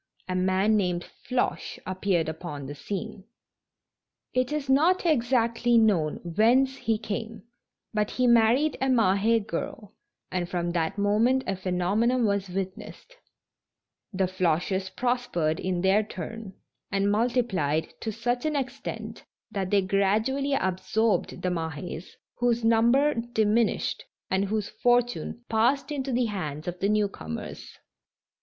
a man named Floche appeared upon the scene. It is not exactly known whence he came, but he married a Mahd girl, and from that moment a phenomenon was witnessed — the Floches prospered in their turn, and mul tiplied to such an extent that they gradually absorbed the Mahes, whose number diminished, and whose fortune passed into the hands of the new comers.